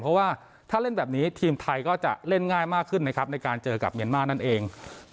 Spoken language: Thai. เพราะว่าถ้าเล่นแบบนี้ทีมไทยก็จะเล่นง่ายมากขึ้นนะครับในการเจอกับเมียนมาร์นั่นเอง